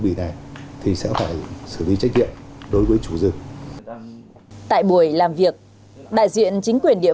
ủy này thì sẽ phải xử lý trách nhiệm đối với chủ rừng tại buổi làm việc đại diện chính quyền địa